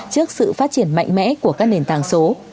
trước sự phát triển mạnh mẽ của các nền tảng số